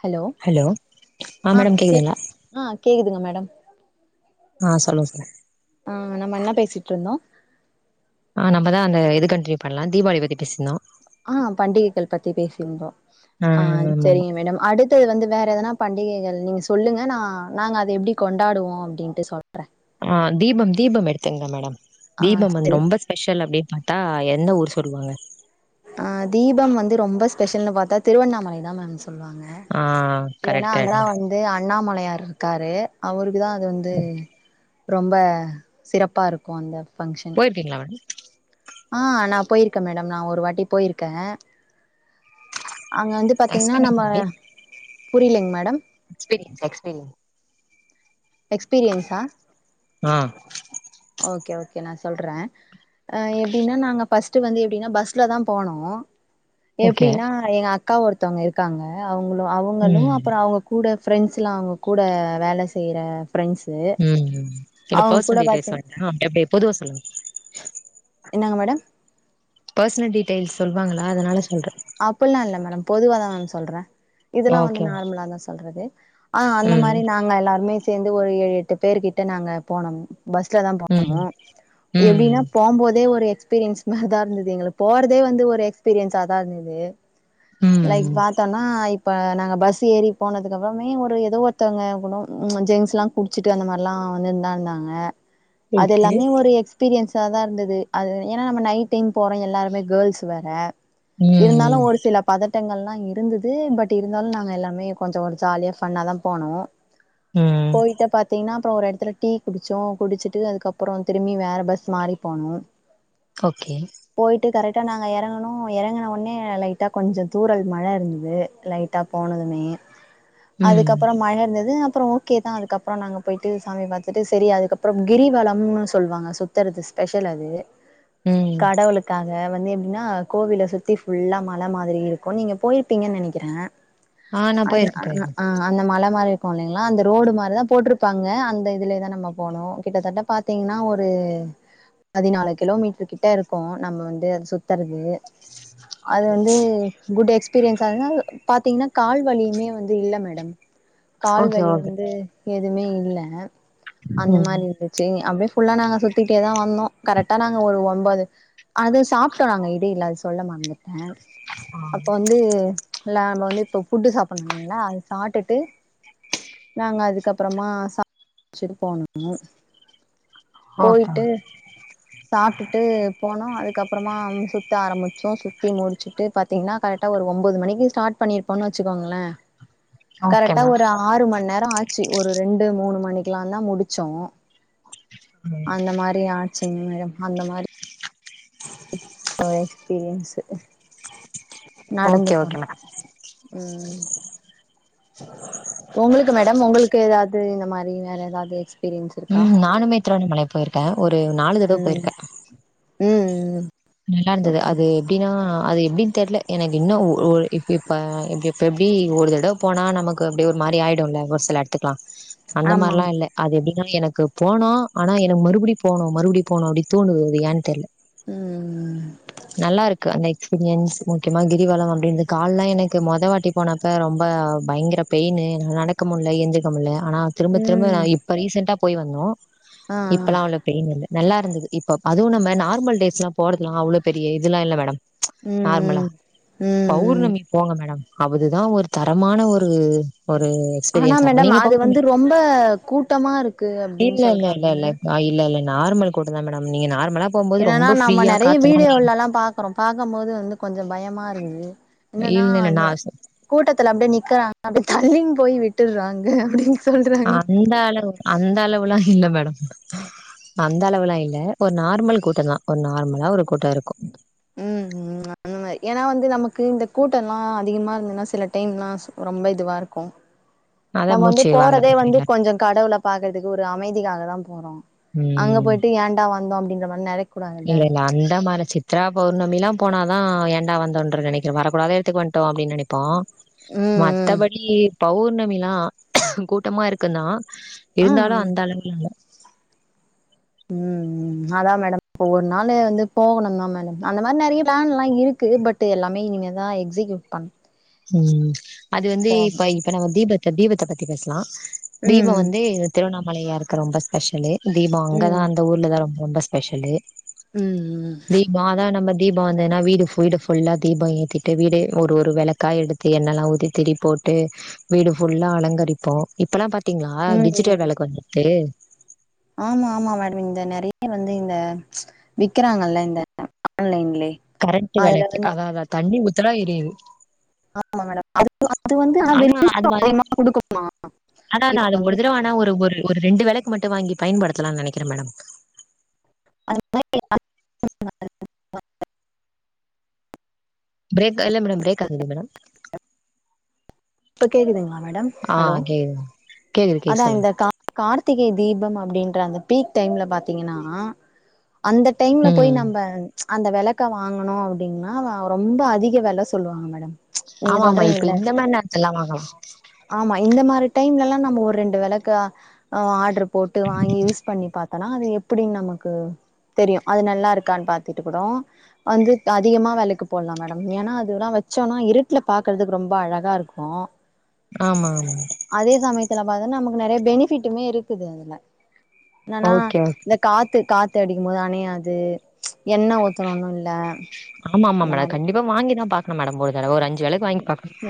Hello ஆ madam கே கேக்குதுங்களா ஆ கேக்குதுங்க மேட ட ம் ஆ சொல்லுங்க சார் ஆ நம்ம என்ன பேசிட்டு இருந்தோ ஆ நம்மதா அந்த இது கண்டினியூ பண்ணலா தீபாவளி பத்தி பேசிருந்தோ ஆ பண்டிகைகள் பத்தி பேசியிருந்தோ ஆ செரிங்க மேடம் அடுத் ட்டு வந்து வேற எதனா பண்டிகைகள் நீங்க சொல்லுங்க நா நாங்க அத எப்பிடி கொண்டாடுவோ அப்பிடின்ட்டு சொல்றே ஆ தீபம் தீபம் எடுத்துங்க மேடம் ஆ தீபம் அன் சரி ரொம்பஸ்பெஷல் அப்பிடின் பா தா எந்த ஊர் சொல்லுவாங்க ஆ தீபம் வந்து ரொம்ப ஸ்பெஷல்ன்னு பாத்தா திருவண்ணாமலைதா மேம் சொல்லுவாங்க ஆ ஏன்னா கரெக்ட் கரெக்ட் அங்கலா மேடம் வந்து அண்ணாமலையார் இருக்காரு அவருக் க்குதா அது வந்து ரொம்ப சிறப்பா இருக்கு அந்த ஃபங்க்ஷன் போயிருக்கீங்களா மேடம் ஆ நா போயிருக்கே மேடம் நா ஒரு வாட்டி போயிருக்கே அங்க வந்து பாத்தீங்கன்னா எக்ஸ்பீரியன்ஸ் நம்ம அப்டி புரியலிங்க மேடம் எக்ஸ்பீரியன்ஸ் எக்ஸ்பீரியன்ஸ் எக்ஸ்பீரியன்ஸா ஆ ஓகே ஓகே நா சொல்றே அ எப்பிடின்னா நாங்க ஃபஸ்ட் வந்து எப்பிடின்னா பஸ்லதா போனோ ஓகே எப்பிடின்னா எங்க அக் அக்கா ஒருத்தவங்க இருக்காங்க அவங்களு அவங்களு ம் அப்புறோ அவுங்க கூட ஃப்ரெண்ட்ஸ்லா அவங்க கூட வேல செய்யற பிரெண்ட்ஸு அவங்க கூட பாத்தே ஆ எப்பிடி பொதுவா சொல்லுங் இன்னாங்க மேடம் பர்சனல் டீடைெயில்ஸ் சொல்லுவாங்களா அதனால சொல்றே அப்பில்லா இல்ல மேடம் பொதுவாதா மேம் சொல்றே இதெல்லா வந்து ஓகே நார்மலாதா சொல்றது ஆ அந்த ம் மாரி நாங்க எல்லாருமே சேந்து ஒரு ஏழு எட்டு பேரு கிட்ட நாங்க போனம் பஸ்ல தா போனோ ம் எப்டின்னா ம் போம்போதே ஒரு எக் ஸ்பீரியன்ஸ்மாரி தா இருந்தது எங்களுக் போறதே வந்து ஒரு எக்ஸ்பீரியன்ஸா தா இருந்தது லைக் ம் பாத்தோன்னா இப்ப நாங்க பஸ் ஏறி போனதுக்கப்றமே ஒரு எதோ ஒருத்தங்க கூட ஜென்ஸ்லா குடுச்சுட்டு அந்த மார்லா வந்துன்தா இருந்தாங்க ஓகே அதெல்லாமே ஒரு எக்ஸ்பீரியன்ஸ் ஸாதா இருந்தது அது ஏனா நம்ம நைட் டைம் போறோ எல்லாருமே கேள்ஸ் வேற இருந்தாலு ம் ஒரு சில பதட்டங்கள்லா இருந்தது பட் இருந்தாலு நாங்க எல்லாமே கொஞ்ச ஒரு ஜாலியா ஃபன்னா தா போனோ ம் போயிட்டு பாத்தீனா அப்றோ ஒரு எடத்துல டீ குடிச்சோ குடுச்சுட்டு அதுக்கப்றோ திரும்பி வேற பஸ் மாறி போனு ஓகே டா நாங்க எறங்குனோ எறங்குனோ னே லைட்டா கொஞ்ச தூரல் மழ இருந்தது லைட்டா போனதுமே ம் அதுக்கப்ற மழ இருந்தது அப் பு‌றொ‌ ஓகே தா அதுக்கப்றொ நாங்க போயிட்டு சாமி பாத்துட்டு செரி அதுக்கப்றம் கிரிவலம்னு சொல்வாங்க சுத்துறது ஸ்பெஷல் அது ம் கடவுளுக்காக வந்து எப்டின்னா கோவில சுத் தி ஃபுல்லா மல மாதிரி இருக்கு நீங்க போயிருப்பீங்கன் நெனக்கிறே ஆ நா அன போயிருக்கே அ ன போயிருக்கே ஆ அந்த மல மாரி ருக்குல்லிங்ளா அந்த ரோடு மாரிதா போட்ருப்பாங்க அந்த இதுலேதா நம்ம போனு கிட்டத்தட்ட பாத்தீங்னா ஒரு பதினாலு கிலோமீட்ரு கிட்ட இருக்கு நம்ம வந்து அது சுத்துறது அது வந்து குட் எக்ஸ்பீரியன்ஸா [unintelligible] பாத்தீங்னா கால்வலியுமே வந் து இல்ல மேடம் ஓகே கால்வலி ஓகே வந்து எதுவ்மே இல்ல அந்த ம் மாரி இருந்துச்சு அப்டியே ஃபுல்லா நாங்க சுத்திட்டேதா வந்தோ கரெட்டா நாங்க ஒரு ஒம்பொது அது சாப்டோ நாங்க இடைல அது சொல்ல மறந்து ட்டே ஆ. அப்போ வந்து ல நம்ம வந்து இப்ப ஃபுட்டு சாப்புட்னு இல்லிங்ளா அத சாட்டுட்டு நாங்க அதுக்கப்றமா சர்ச்சுக்கு போனு ஓகே போயிட்டு மேம். சாப்டுட்டு போனோ அதுக்கப்றமா சு த்த ஆரமிச்சோ சு த்தி முடுச்சுட்டு பாத்தீங்னா கரெக்டா ஒரு ஒம்பொது மணிக்கு ஸ்டாட் பண்ணிருப்போன் வச்சுக்கோங்களே ஓகே கரெட்டா மேம் ஒரு ஆறு மண்நேரொ ஆ ச்சு ஒரு ரெண்டு மூணு மணிக்லாந்தா முடுச்சோ அந்த மாரியா சின்மயா அந்த மாரி ஆ எக்ஸ்பீரியன்ஸு நடந்து ஓகே ஓகே போறது மேடம் உ ஏதாவது இந்த மாரி வேற ஏதாவது எஸ்பீரியன்ஸ் இருக்கா திருவண்ணாமலைக்கு போயிருக்கே ஒரு நாலு தடவ போயிருக்கே உ உ நல்லா இருந்தது அது எப்டின்னா அது எப்டின் தெர்ல எனக்கு இன்னு ஒ இப்போ இப்படி இப்போ எப்படி ஒரு தடவ போனா நமக்கு அப்படி ஒரு மாரி ஆகிடும்ல ஒரு சில எடத்துக்கு போ னா அந்த ஆமா மாரிலா ஆமா இல்ல அது எப்படின்னா எனக் போனோ ஆனா எனக்கு மறுபடி போனு மறுபடி போனு அப்படி தோனுது அது ஏன்னு தெரியல உ உ நல்லா இருக்கு அந்த எக்ஸ்பீரியன்ஸ் முக்கியமா கிரிவலோ அப்படிது கால்லா எனக்கு மொத வாட்டி போனப்ப ரொம்ப பயங்கர பெயின்னு நடக்க முடியல எந்திக்க முடியல ஆனா திரும்ப திரும்ப நா ம் இப்ப ரீசென்ட்டா போய் வந்தோ ஆ இப்பல்லா அவ்வள பெயின் இல்ல நல்லா இருந்தது இப்ப அதுவு நம்ம நார்மல் டேஸ்லா போர்துலா அவ்ளோ பெரிய இதுலா இல்ல மேடம் ச் ம் நார்மலா ம் ம் ம் பௌர்ணமிக் போங்க மேடம் அவுதுதா ஒரு தரமான ஒரு ஒரு ஆனா எக்ஸ்பீரியன்ஸா இருக்கு மேடம் நீங்க அது பௌர்ணமி வந்து ரொம்ப கூட்டமா இருக் இல்ல இல்ல இல்ல இல்ல ஆஇல்ல இல்ல நார்மல் கூட்ட தா மேடம் நீங்க நார்மல் என்னன்னா நம்ம நிறைய வீடியோலலா பாக்குறோ பாக்கம்போது வந்து கொஞ்சம் பயமா இருக்குது என்னன்னா இல்ல இல்ல நா இந்த கூட்டத்துல அப்டியே நிக்கிறாங்க அப்டி தள்ளின் போய் விட்டுறாங்க அப்டின்னு சொல்றாங்க அந்த அளவு அந்த அளவுல்லா இல்ல மேடம் அந்த அளவுலா இல்ல ஒரு நார்மல் கூட்ட தா ஒரு நார்மலா ஒரு கூட்ட இருக்கு உம் அந்த மாரி ஏன்னா வந்து நமக்கு இந்த கூட்டோ எல்லா அதிகமா இருந்தன்னா சில டைம் எல்லா ரொம்ப இதுவா இருக்கு அதான் நம்ம வந்து மூச்சு போறதே வாங்குறது வந்து மாரில கொஞ்சோ கடவுள பாக்குறதுக்கு ஒரு அமைதிக்காக தா போறோ அங்க ம் போயிட்டு ஏன்டா வந்தோ அப்டி என்ன பண்ணாரு இல்ல இல்ல அந்தமாரி சித்த சித்ரா பௌர்ணமில தா போனாதா ஏன்டா வந்தோன்னறு நெனக்கிற வரக்கூடாதுத்துக்கு வந்துட்டோ அப்டின் நெனைக் ப்போ ம் மத்தபடி பௌர்ணமி பௌர்ணமில்லா கூட்டமா இருக்குந்தா இருந்தாலு ம் அந்த அளவுல இல்ல உம் உம் அதா மேடம் இப்ப ஒரு நாள் வந்து போகணு தா மேடம் அந்த மாரி நெறய பிளான் எல்லா இருக்கு பட் எல்லாமே இனிமேதா எக்ஸிகியூட் பண்ண உம் அது வந்து இப்ப இப்ப நம்ம தீபத் தீபத்த பத்தி பேசலா தீப ம், வந்து திருவண்ணாமல மழையா இருக்கு ரொம்ப ஸ்பெஷலு தீப அங்கதா ம். அந்த ஊர்ல தா ரொம்ப ஸ்பெஷலு ம், ம். தீபா தா என் நம தீப வந்ததுனா வீடு வீடு ஃபுல்லா தீபம் ஏத்திட்டு வீடு ஒரு ஒரு வெளக்கு க்க் எடுத்து என்னெல்லா ஊத்தி திரி போட்டு வீடு ஃபுல்லா அலங்கரிப்போ இப்பெல்லா ப த்தீங்ளா ம், டிஜிட்டல் ம். வெளக்கு வந்துருக்கு ஆமா ஆமா மேடம் இந்த நெறய வந்து இந்த விக்குறாங்கல்ல இந்த ஆன்லைன்லயே கரண்ட் அதுல வேலக்கு வந்து அதா அதா தண்ணி உ த்தா எரியுது ஆமா மேடம் அது அது வந்து ஆ வெ ஆனா அது வ அதிகமா குடுக்கனுமா ஆனா நா இப்ப அது ஒரு வந்து தடவ ஆனா ஒரு ஒரு ஒரு ரெண்டு விளக்கு வாங்கி பயன்படுத்தலானு நெனக்குறே மேடம் அ [unintelligible] ப்ரேக் அல்ல மேடம் ப்ரேக் ஆகுது மேடம் இப்ப கேக்குதுங்களா மேடம் ஆ ஹலோ கேக்குது கேக்குது கேக்குது அதா சொல்லுங்க இந்த கா கார்த்திகை தீபம் அப்படின்றாங்க அந்த பீக் டைம்ல பாத்தீங்கன்னா அந்த டைம்ல போய் ம் நம்ப அந்த விளக்க வாங்கணு அப்படின்னா ரொம்ப அதிக வில சொல்லுவாங்க மேடம் நீங்க ஆமா ஆமா இப்ப சொல்றீங்கல்ல இந்த மாரி நேரத்தலா ஆமா இந்த மாரி டைம்லல்லா னு நம்ம ஒரு ரெண்டு வெலக்கு ஆடரு போட்டு வாங்கி யூஸ் பண்ணி பாத் அனா அது எப்படின்னு நமக்கு தெரியு அது நல்லா இருக்கான்னு பாத்தட்டு கூட வந்து அதிகமா வேலைக்கு போட்லா மேடம் ஏன்னா அதுல்லா வச்சோம்னா இருட்டுல பாக்கறதுக்கு ரொம்ப அழகா இருக்கு கோ ஆமா ஆமா அதே சமயத்துல பாத்த நமக் நிறைய பெனிஃபிட்டுமே இருக்குது அதுல என்னனா ஓகே ஓகே இந்த காத்து காத் த்தேஅடிக்கும் போது அணையாது என்ன ஊத்தணுனு இல்ல அந்த மாரி டம் ஒரு தரவ ஒரஞ்சு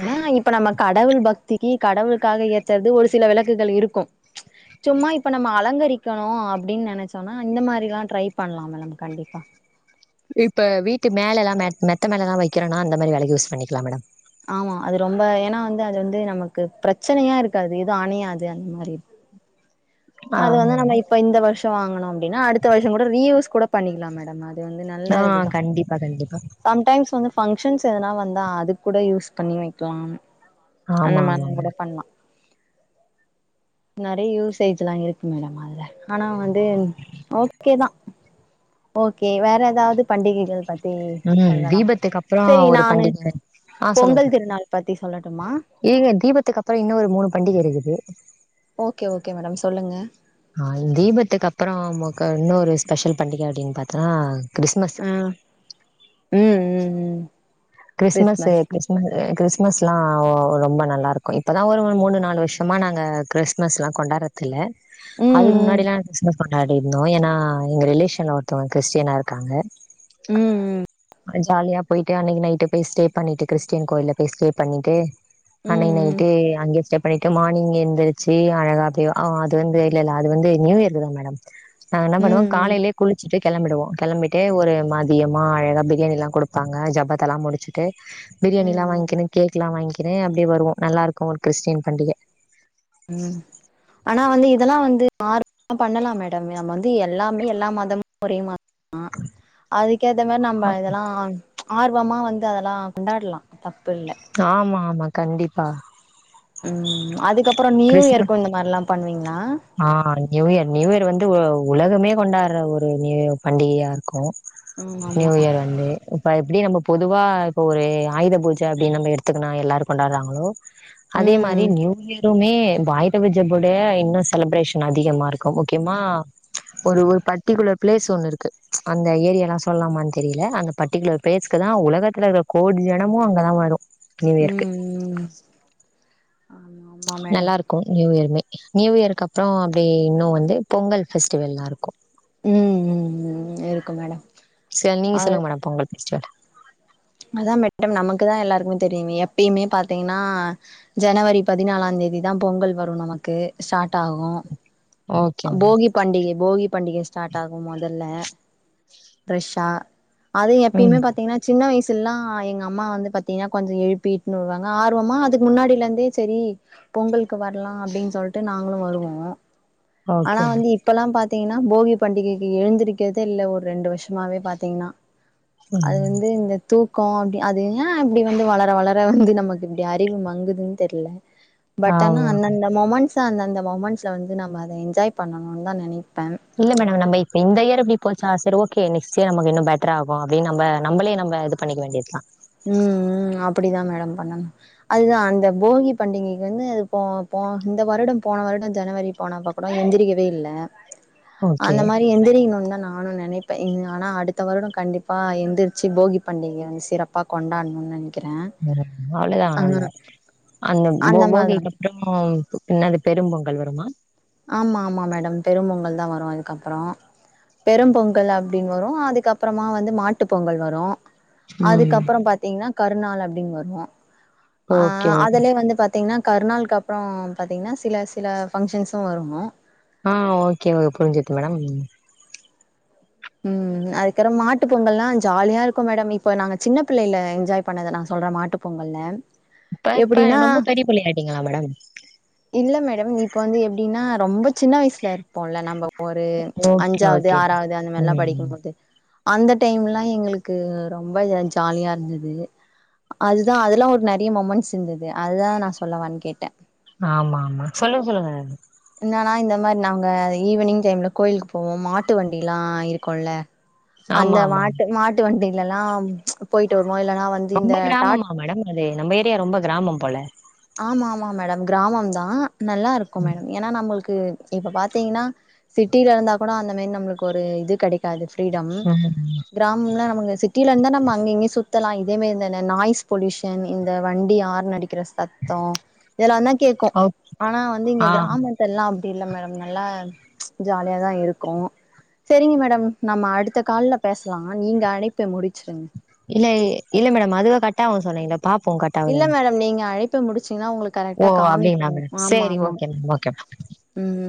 ஏன்னா இப்ப நம்ம காட் கடவுள் பக்திக்கு கடவுளுக்காக ஏத்துறது ஒரு சில விளக்குகள் இருக்கு சும்மா இப்ப நம்ம அலங்கரிக்கணு அப்படின்னு நினைச்சோம்ன்னா இந்த மாதிரி எல்லா ட்ரை பண்ணலா நம் கண்டிப்பா இப்ப வீட்டு மேலலா மெத்த மேலலா வைக்கிறோனா அந்த மாரி வெலக்கு யூஸ் பண்ணிக்கலா மேடம் ஆமா அது ரொம்ப ஏன்னா வந்து அது வந்து நமக்கு பிரச்சனையா இருக்காது எதுவு அணயாது அந்த மாதிரி ஆ அது வந்து நம்ம இப்ப இந்த வருஷ் த்து வாங்கணு அப்படின்னா அடுத்த வருஷம் கூட ரீயூஸ் கூட பண்ணிக்கலா மேடம் அது வந்து நல்ல ஆ இதுதா கண்டிப்பா கண்டிப்பா சம்டைம்ஸ் வந்து பங்க்ஷன்ஸ் எதுனா வந்தா அதுக் கூட யூஸ் பண்ணி வைக்கலா அந்த ஆமா மாத்ரி ந ஆமாங்க கூட பண்ணலா நிறைய யூஸேஜ் ல்லா இருக்கு மேடம் அதுல ஆனா வந்து ஓகே தா ஓகே வேற ஏதாவது பண்டிகைகள் பத் உ தீபத்துக்கு அப்புறோ ஒரு நானு பண்டிக ஆ சொல்லுங்க பொங்கல் சொல்லுங்க திருநாள் பத்தி சொல்லட்டுமா ஏங்க தீபத்துக்கு அப்புற இன்னு ஒரு மூணு பண்டிக இருக்குது உ ஓகே ஓகே மேடம் சொல்லுங்க ஆ தீபத்துக்கு அப்புறோ நமக்கு இன்னொரு ஸ்பெஷல் பண்டிக அப்பிடின் பாத்தா கிறிஸ்மஸ் ஆ ம் ம் ம் கிறிஸ்மஸ் கிறிம கிறிஸ்மஸ்லா ரொம்ப நல்லாயிருக்கு இப்பதா ஒரு மூனு நாலு வருஷமா நாங்க கிறிஸ்மஸ் எல்லா கொண்டாறது இல்ல ம் அதுக்கு முன்னாடி ம் எல்லா கிறிஸ்ம கொண்டாடி இருந்தோ ஏன்னா எங்க ரிலேஷன் ஒருத்தவ கிறிஸ்டீனா இருக்கா ம் ம் அ ஜாலியா போயிட்டு அன்னிக்கு நைட்டு பே ஸ்டே பண்ணிட்டு கிறிஸ்டின் கோயில பேய் ஸ்டே பண்ணிட்டு ம் அன்னிக்கு ம் நைட்டு அங்க ஸ்டே பண்ணிட்டு மார்னிங் எந்திரிச்சி அழகா போய் ஆ அது வந்து இல்ல இல்ல அது வந்து நியூ இயர்க்குதா மேடம் நாங்க என்ன ம் பண்ணுவோ ம் காலையிலியே குளிச்சிட்டு கெளம்பிடுவோ கெளம்பிட்டு ஒரு மதியமா அழகா பிரியாணி எல்லா குடுப்பாங்க ஜபத்தெல்லா முடி சிட்டு பிரியாணி ம் எல்லா ம் வாங்கினு கேக் எல்லா வாங்கி க்கிறே அப்பிடியே வருவோ நல்லா இருக்கு ஒரு கிறிஸ்டின் பண்டிக ம் ஆனா வந்து இதெல்லா வந்து ஆ பண்ணலாம் மேடம் நம்ம வந்து எல்லாமே எல்லா மதமும் ஒரே ம ஆ அதுக்கேத்த மாரி நம்ம இதெல்லா ஆர்வமா வந்து அதெல்லா கொண்டாடலா தப் ஆமா ஆம் மா கண்டிப்பா ம் அதுக்கப் கிறிஸ்மஸ் ஆ நியூ இயர் நியூ இயர் வந்து ஒ உலகமே கொண்டாடுற ஒரு நியூ பண்டிகையா இருக்கு ம் ஆமா நியூ இயர் வந்து ப எப்பிடி நம்ம பொதுவா இப்போ ஒரு ஆயுத பூஜ அப்பிடி நம்ம எடுத்துக்குனா எல்லாரு கொண்டாறாங்களோ அதே மாரி ம் நியூ இயர் மே வாய்தபஜபோட இன்னு செலப்ரேஷன் அதிகமா இருக்கு முக்கியமா ஒரு ஒரு பர்டிகுலர் பிளேஸ் ஒன்னு இருக்கு அந்த ஏரிய எல்லா சொல்லாமான் தெரியல அந்த பர்ட்டிகுலர் பிளேஸ்க்கு தா உலகத்துல இருக்க கோடி ஜனமு அங்கதா வரு நியூ ம் இயருக்கு ம் ஆமா ஆமா மேடம் நல்லாருக்கு நியூயருமே நியூயருக்கப்றோ அப்டி இன்னு வந்து பொங்கல் ஃபெஸ்டிவல்லா இருக்கு ம் ம் ம் இருக்கு மேடம் செல் நீங்க அது சொல்லுங்க மேடம் பொங்கல் ஃபெஸ்டிவல் அதா மேட்டம் நமக்குதா எல்லாருக்குமே தெரியுமே எப்பயுமே பாத்தீங்கனா ஜனவரி பதினாலாந் தேதிதா பொங்கல் வரு நமக்கு ஸ்டாட் ஆகு ஓகே மேடம் போகி பண்டிகை போகி பண்டிகை ஸ்டாட் ஆகும் மொதல்ல ஃப்ரெஷ்ஷா அது எப்பயுமே ம் பாத்தீங்கனா சின்ன வயசு ல்லா எங்க அம்மா வந்து பாத்தீங்னா கொஞ்ச எழுப்பி இட்னு வருவாங்க ஆர்வமா அதுக்கு முன்னாடிலந்தே செரி பொங்கல்க்கு வர்லா அப்டின் சொல்ட்டு நாங்களு வருவோ ஆனா ஓகே மேம் வந்து இப்பல்லா பாத் தீங்கனா போகி பண்டிகைக்கு எழுந்திருக்கதே இல்ல ஒர் ரெண்டு வருஷமாவே பாத்தீங்னா அது ம் வந்து இந்த தூக்கோ அப்டி அது ஏ அப்டி வந்து வளர வளர வந்து நமக்கு இப்டி அறிவு மங்குதுன் தெர்ல பட் ஆனா ஆமா அந்தந்த மொமண்ட்ஸ் ஸ‌ அந்தந்த மொமண்ட்ஸ்ல வந்து நம்ம அத என்ஜாய் பண்ணனுன் தா நெனைப் இல்ல மேடம் நம்ம இப்ப இந்த இயர் இப்டி போச்சா செரி ஓகே நெக்ஸ்ட் இயர் நமக்கு இன்னு பெட்ராகு அப்டின் நம்ப நம்பளே நம்ப இது பண்ணிக்க வேண்டியதுதா ம் ம் அப்புடிதா மேடம் பண்ணனு அதுதா அந்த போகி பண்டிகைக்கு வந்து அது போ போ இந்த வருடம் போன வருட‌ ஜனவரி போனப்ப கூட எந்திரிக்கவே இல்ல ஓகே அந்த மாரி எந்திரிகனுன் தா நா நானு நெனைப்பே இன்‌ ஆனா அடுத்த வருட கண்டிப்பா எந்திர்ச்சு போகி பண்டிகய‌ வந்து சிறப் பா கொண்டாட்னுன்‌ நெனை ம் அவ்ளதா நம்ம அந்த போ போகிக்கப்றோ என்னது பெரும் பொங்கல் வருமா ஆமா ஆமா மேடம் பெரும் பொங்கல் தா வரு அதுக்கப்பறோ பெரும் பொங்கல் அப்டின் வரு அதுக்கப்றமா வந்து மாட்டு பொங்கல் வரு ம் அதுக்கப்றம் பாத்தீங்னா கருநாள் அப்டின் வரு ஆ ஓகே ஓகே அதுலே வந்து பாத் தீங்னா கருநாள்க்கு அப்றோ பாத்தீங்னா சில சில பங்ஷன்ஸ் ஸு வரு ஆ ஓகே ஓ புரிஞ்சுது மேடம் ம் அதுக்கறம் மாட்டு பொங்கல்லா ஜாலியா இருக்கு மேடம் இப்ப நாங்க சின்ன பிள்ளைல என்ஜாய் பண்ணத நா சொல்ற மாட்டு பொங்கல்ல இப்ப இப்ப எப்டின்னா ரொம்ப பெரியப்புள்ளை ஆயிட்டீங்களா மேடம் இல்ல இப்ப வந்து எப்படின்னா ரொம்ப சின்ன வயசல இருப்போல நம்ம ஒரு ஓகே அஞ்சாவது ஓகே ஆறாவது அந்தமல்லா ம் படிக்கும்போது அந்த டைம்லா எங்களுக்கு ரொம்ப ஜாலியா இருந்தது அதுதா அதெல்லா ஒரு நறைய மொமெண்ட்ஸ் இருந்தது அதுதா நா சொல்லவான்னு கேட்டே ஆமா ஆமா சொல்லுங்க சொல்லுங்க என்னனா இந்த மாரி நாங்க ஈவினிங் டைம்ல கோயிலுக்கு போவோ மாட்டு வண்டிலா இருக்குல்ல ஆமா அந்த ஆமா மாட்டு மாட்டு வண்டி லலாம் ச் போயிட்டு வருவோ இல்லைன்னா வந்து இந்த டாட் யே ரொம்ப கிராமம் போல ஆமா ஆமா மேடம் கிராமம் தா நல்லா இருக்கு ம் மேடம் ஏன்னா நம்மளுக் உ இப்போ பாத்தீங்கன்னா சிட்டில இருந்தா கூட அந்த மே நம்மளுக்கு ஒரு இது கெடைக் அது ஃப்ரீடம் கிராமம்லா நமகு சிட்டியில இருந்தா அங்க இங்யு சுத்தலா இதே மாரி இந்த நாய்ஸ் பொலியூஷன் இந்த வண்டியாரன் அடிக்கிற சத் தோ இதெல்லா தா கேக்கு ஓ ஆனா வந்து இங்க ஆ கிராமத்தல்லா அப்படி இல்ல மேடம் நல்லா ஜாலியாதா இருக்கு சரிங்க மேடம் நம்ம அடுத்த கால்ல பேச் லா நீங்க அனைப்ப முடிச்சிருங்க இல்ல இல்ல [unintelligible] கட் இல்ல ஆவுதானு மேடம் நீங்க அழை ப்ப முடிச்சு னா உங்களுக்கு ஓ கரெக்டா காமிக்கு அப்டிங்களா மேடம் ஆமா சேரி ஆமா ஓகே மேம் ஓகே உ உ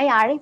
அய் அழை